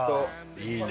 いいね！